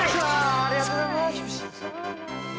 ありがとうございます。